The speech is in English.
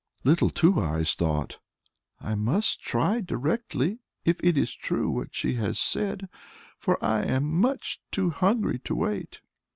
Little Two Eyes thought, "I must try directly if it is true what she has said, for I am much too hungry to wait."